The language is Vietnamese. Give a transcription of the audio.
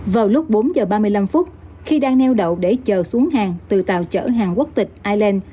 vào lúc bốn giờ ba mươi năm phút khi đang neo đậu để chờ xuống hàng từ tàu chở hàng quốc tịch island